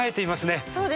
そうですね。